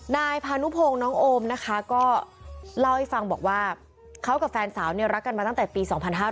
นายพานุพงศ์น้องโอมนะคะก็เล่าให้ฟังบอกว่าเขากับแฟนสาวเนี่ยรักกันมาตั้งแต่ปี๒๕๕๙